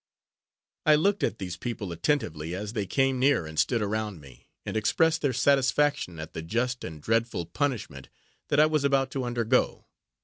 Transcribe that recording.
I looked at these people attentively, as they came near and stood around me, and expressed their satisfaction at the just and dreadful punishment that I was about to undergo.